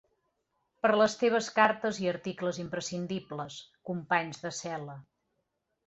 Per les teves cartes i articles imprescindibles, companys de cel·la.